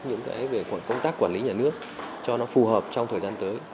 những cái về công tác quản lý nhà nước cho nó phù hợp trong thời gian tới